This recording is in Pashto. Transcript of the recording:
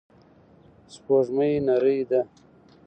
سپوږمۍ نرۍ ده.